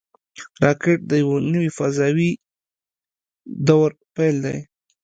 راکټ د یوه نوي فضاوي دور پیل دی